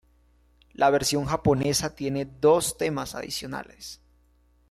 La versión japonesa tiene dos temas adicionales.